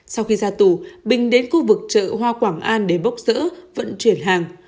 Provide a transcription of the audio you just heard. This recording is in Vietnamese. sau khi ra tù bình đến khu vực chợ hoa quảng an để bốc rỡ vận chuyển hàng